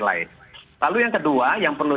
lain lalu yang kedua yang perlu